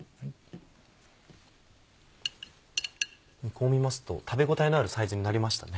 こう見ますと食べ応えのあるサイズになりましたね。